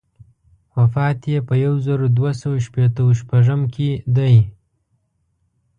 وفات یې په یو زر دوه سوه شپېته و شپږم کې دی.